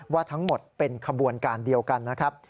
ว่าทั้งหมดเป็นขบวนการเดียวกันนะครับ